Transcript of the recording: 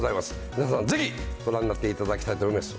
皆さん、ぜひご覧になっていただきたいと思います。